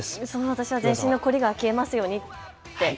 私は全身の凝りが消えますようにって。